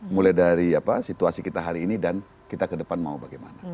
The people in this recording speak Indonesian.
mulai dari situasi kita hari ini dan kita ke depan mau bagaimana